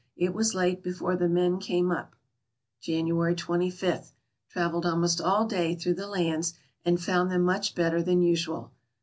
It was late before the men came up. January 23. — Traveled almost all day through the lands and found them much better than usual.